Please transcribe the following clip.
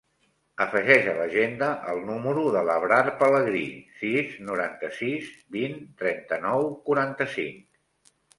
Afegeix a l'agenda el número de l'Abrar Pelegri: sis, noranta-sis, vint, trenta-nou, quaranta-cinc.